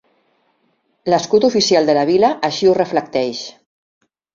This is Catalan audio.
L’escut oficial de la vila així ho reflecteix.